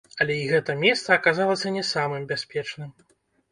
Але і гэта месца аказалася не самым бяспечным.